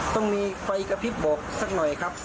ต้องมีไฟกระพริบบอกสักหน่อยครับ